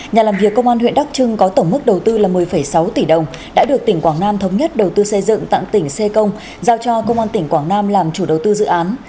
nhà làm việc công an huyện đắc trưng có tổng mức đầu tư là một mươi sáu tỷ đồng đã được tỉnh quảng nam thống nhất đầu tư xây dựng tặng tỉnh xê công giao cho công an tỉnh quảng nam làm chủ đầu tư dự án